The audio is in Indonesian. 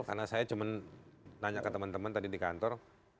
karena saya cuma nanya ke teman teman tadi di kantor